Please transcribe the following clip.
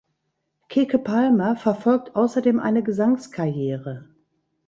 Keke Palmer verfolgt außerdem eine Gesangskarriere.